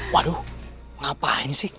waduh ngapain sih